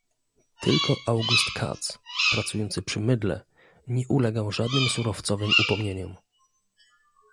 "Tylko August Katz, pracujący przy mydle, nie ulegał żadnym surowcowym upomnieniom."